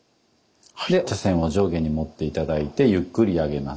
で茶筅を上下に持って頂いてゆっくり上げます。